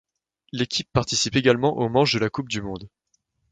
L'équipe participe également aux manches de la Coupe du monde.